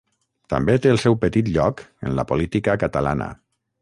També té el seu petit lloc en la política catalana.